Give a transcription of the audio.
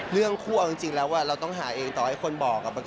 เรื่องคู่เอาจริงแล้วเราต้องหาเองต่อให้คนบอก